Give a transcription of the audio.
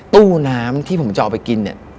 ตู้น้ำที่ผมจะเอาไปกินเนี่ย